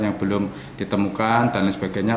yang belum ditemukan dan lain sebagainya